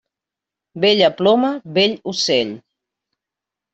Bella ploma, bell ocell.